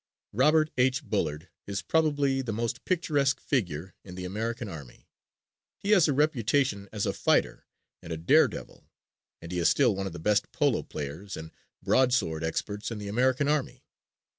Robert H. Bullard is probably the most picturesque figure in the American army. He has a reputation as a fighter and a daredevil and he is still one of the best polo players and broadsword experts in the American army.